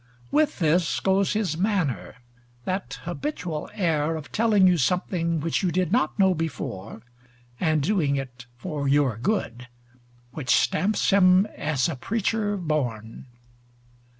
With this goes his manner, that habitual air of telling you something which you did not know before, and doing it for your good, which stamps him as a preacher born.